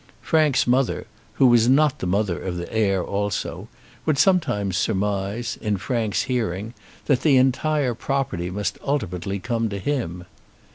Frank's mother, who was not the mother of the heir also, would sometimes surmise, in Frank's hearing, that the entire property must ultimately come to him.